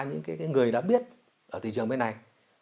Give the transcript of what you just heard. những người đã biết ở thị trường bên này